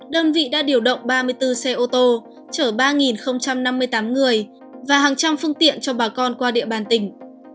đơn vị đã điều động ba mươi bốn xe ô tô chở ba năm mươi tám người và hàng trăm phương tiện cho bà con qua địa bàn tỉnh